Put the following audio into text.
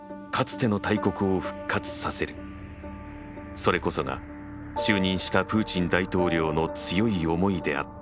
それこそが就任したプーチン大統領の強い思いであった。